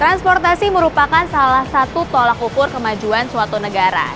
transportasi merupakan salah satu tolak ukur kemajuan suatu negara